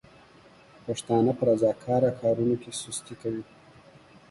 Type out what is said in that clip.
پښتانه په رضاکاره کارونو کې سستي کوي.